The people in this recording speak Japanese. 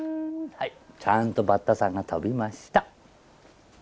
はい、ちゃんとバッタさんが飛びました。